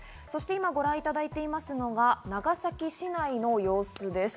今、ご覧いただいていますのが長崎市内の様子です。